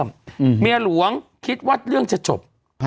อืมเมียหลวงคิดว่าเรื่องจะจบ